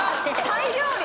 タイ料理？